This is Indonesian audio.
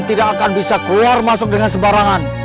tidak akan bisa keluar masuk dengan sebarangan